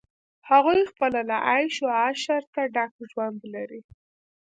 هغوی خپله له عیش و عشرته ډک ژوند لري.